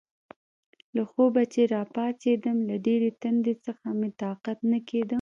له خوبه چې راپاڅېدم، له ډېرې تندې څخه مې طاقت نه کېده.